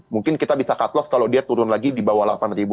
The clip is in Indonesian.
mungkin kita bisa cut loss kalau dia turun lagi di bawah delapan ribu